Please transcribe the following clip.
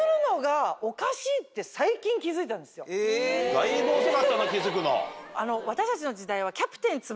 だいぶ遅かったな気付くの。